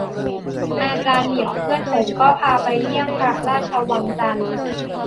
อาจารย์เหมียวเพื่อนผม ก็พาไปเยี่ยมพระราชวังจันทน์